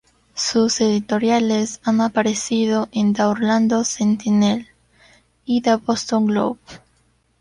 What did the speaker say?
Sus editoriales han aparecido en "The Orlando Sentinel" y el "The Boston Globe".